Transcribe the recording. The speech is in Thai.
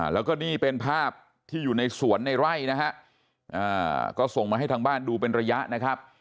แล้วก็นี่เป็นภาพที่อยู่ในสวนในไร่นะฮะก็ส่งมาให้ทางบ้านดูเป็นระยะนะครับ